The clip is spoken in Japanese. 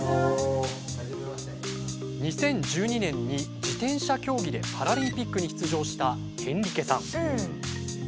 ２０１２年に自転車競技でパラリンピックに出場したヘンリケさん。